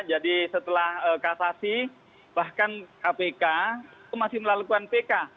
jadi setelah kasasi bahkan kpk itu masih melakukan pk